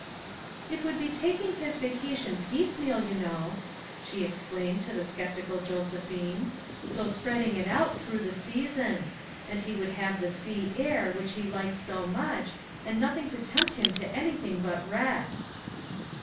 "It would be taking his vacation piecemeal, you know," she explained to the skeptical 102 FOUR MOT! IKRS AT CHAUTAUQUA Josephine, "ho spreading it out through the season; and he would have the sea air which h (J likes ho much, and nothing to tempt him to any thing hut rest."